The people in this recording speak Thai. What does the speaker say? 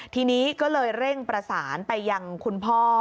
ทีนี้ก็เลยเร่งประสานไปยังคุณพ่อ